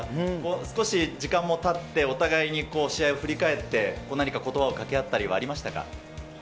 少し時間もたって、お互いに試合を振り返って、何かことばをかけ合ったりはありましたか。